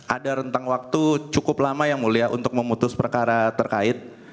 ada rentang waktu cukup lama yang mulia untuk memutus perkara terkait